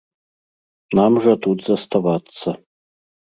Нам жа тут заставацца.